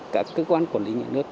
các cơ quan quản lý nhà nước